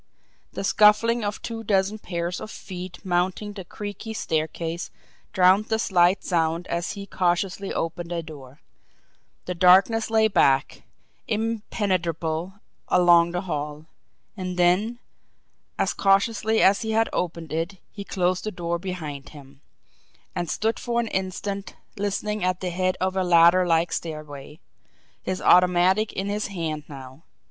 The scuffling of two dozen pairs of feet mounting the creaky staircase drowned the slight sound as he cautiously opened a door; the darkness lay black, impenetrable, along the hall. And then, as cautiously as he had opened it, he closed the door behind him, and stood for an instant listening at the head of a ladder like stairway, his automatic in his hand now.